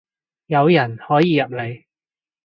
有人可以入嚟